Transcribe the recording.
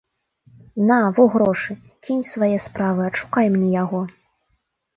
На, во грошы, кінь свае справы, адшукай мне яго!